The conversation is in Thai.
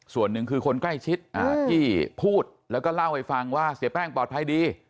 ส่วนหนึ่งคือคนใกล้ชิดที่พูดแล้วก็เล่าให้ฟังว่าเสียแป้งปลอดภัยดี